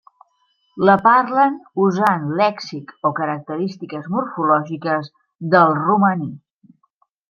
La parlen usant lèxic o característiques morfològiques del romaní.